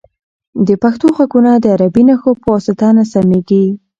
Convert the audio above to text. د پښتو غږونه د عربي نښو په واسطه نه سمیږي.